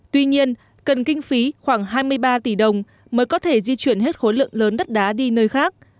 tuy nhiên cần kinh phí khoảng hai mươi ba tỷ đồng mới có thể di chuyển hết khối lượng lớn đất đá đi nơi khác